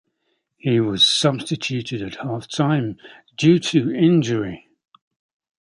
He was substituted at half-time due to injury.